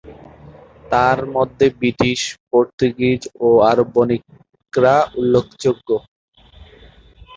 তারমধ্যে British, Portuguese ও আরব বণিকরা উল্লেখযোগ্য।